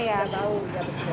iya bau juga besar